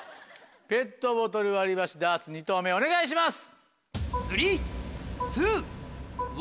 ペットボトル割り箸ダーツ２投目お願いします。